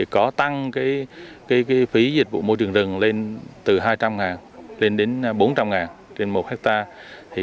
có tăng phí dịch vụ môi trường rừng lên từ hai trăm linh lên đến bốn trăm linh trên một hectare